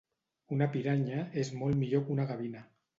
Una piranya és molt millor que una gavina